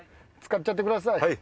使っちゃってください。